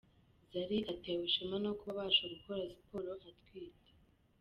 Zari atewe ishema no kuba abasha gukora siporo atwite.